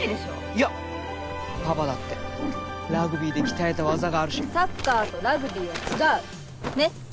いやパパだってラグビーで鍛えた技があるしサッカーとラグビーは違うねっ？